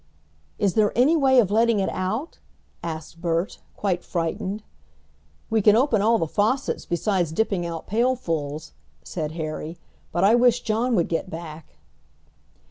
"Is there any way of letting it out?" asked Bert, quite frightened. "We can open all the faucets, besides dipping out pailfuls," said Harry. "But I wish John would get back."